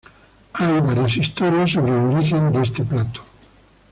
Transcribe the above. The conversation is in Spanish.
Hay varias historias sobre el origen de este plato.